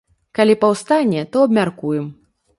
Калі паўстане, то абмяркуем.